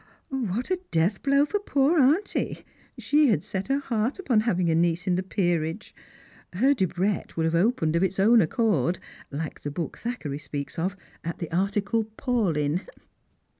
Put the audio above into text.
" What a death blow for poor auntie ! She had set her heart upon having a niece in the peerage. Her Debrett would have opened of its own accord — like the book Thackeray speaks of— at the article Paulyn."